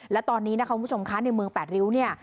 และตอนนี้นะคะคุณผู้ชมคะในเมือง๘ริ้วเนี่ย